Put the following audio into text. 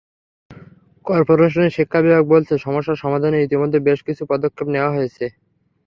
করপোরেশনের শিক্ষা বিভাগ বলছে, সমস্যার সমাধানে ইতিমধ্যে বেশ কিছু পদক্ষেপ নেওয়া হয়েছে।